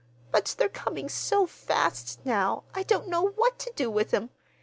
But they're coming so fast now I don't know what to do with 'em.